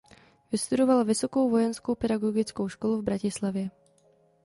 Vystudoval Vysokou vojenskou pedagogickou školu v Bratislavě.